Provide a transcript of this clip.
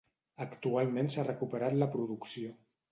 Actualment s'ha recuperat la producció.